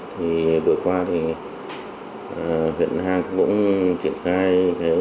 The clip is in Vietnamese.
thì vừa qua huyện na hàng cũng triển khai